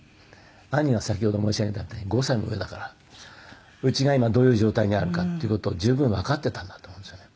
兄は先ほど申し上げたみたいに５歳も上だからうちが今どういう状態にあるかっていう事を十分わかっていたんだと思うんですよね。